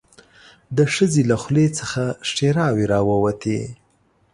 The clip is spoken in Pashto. د ښځې له خولې څخه ښيراوې راووتې.